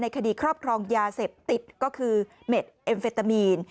คดีครอบครองยาเสพติดก็คือเม็ดเอ็มเฟตามีน